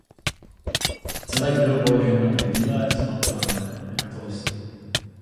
Celek byl položen na dvě bíle smaltované ratolesti.